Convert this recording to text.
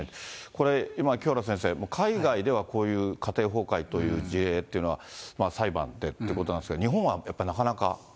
これ、今、清原先生、海外ではこういう家庭崩壊という事例っていうのは、裁判でということなんですけど、日本はやっぱりなかなか。